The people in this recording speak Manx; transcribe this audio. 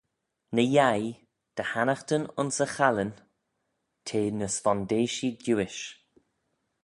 Ny-yeih, dy hannaghtyn ayns y challin, te ny s'vondeishee diuish.